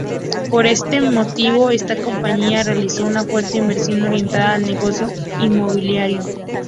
Por este motivo, esta compañía realizó una fuerte inversión orientada al negocio inmobiliario.